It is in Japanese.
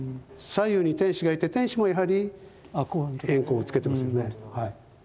左右に天使がいて天使もやはり円光をつけてますよね。